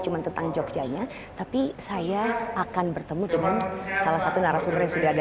cuma tentang jogjanya tapi saya akan bertemu dengan salah satu narasumber yang sudah ada